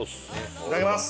いただきます。